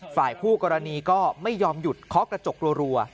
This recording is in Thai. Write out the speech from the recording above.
ฝ่ายคู่กรณีก็ไม่ยอมหยุดเคาะกระจกรัว